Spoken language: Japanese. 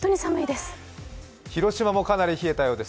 広島もかなり冷えたようです。